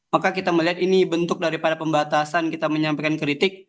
maka kita melihat ini bentuk daripada pembatasan kita menyampaikan kritik